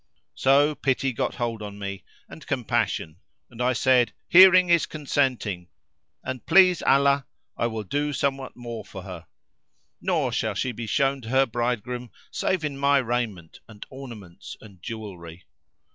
So pity get hold on me and compassion and I said, "Hearing is consenting and, please Allah, I will do somewhat more for her; nor shall she be shown to her bridegroom save in my raiment and ornaments and jewelry."